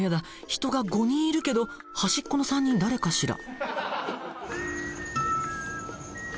人が５人いるけど端っこの３人誰かしら？